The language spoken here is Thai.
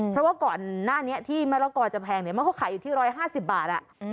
เพราะว่าก่อนหน้านี้ที่มะละกอจะแพงเนี่ยมันก็ขายอยู่ที่๑๕๐บาท